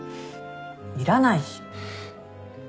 いらないし。